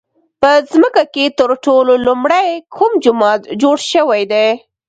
په ځمکه کې تر ټولو لومړی کوم جومات جوړ شوی دی؟